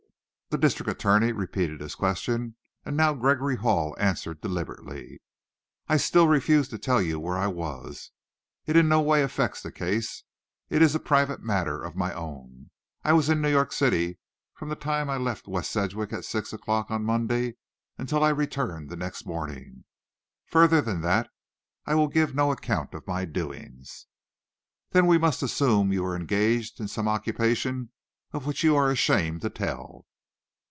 The district attorney repeated his question, and now Gregory Hall answered deliberately, "I still refuse to tell you where I was. It in no way affects the case; it is a private matter of my own. I was in New York City from the time I left West Sedgwick at six o'clock on Monday, until I returned the next morning. Further than that I will give no account of my doings." "Then we must assume you were engaged in some occupation of which you are ashamed to tell."